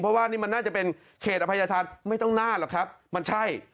เพราะว่านี่มันน่าจะเป็นเขตอภัยธานไม่ต้องน่าหรอกครับมันใช่